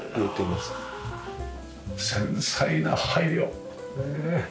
繊細な配慮ねえ。